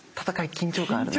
緊張感あるね。